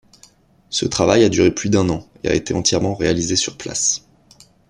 Ce travail a duré plus d'un an et a été entièrement réalisé sur place.